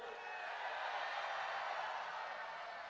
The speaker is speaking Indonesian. sehingga hilirisasi bahan mentah itu